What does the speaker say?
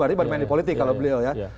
berarti main main di politik kalau beliau ya